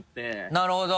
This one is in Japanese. なるほど！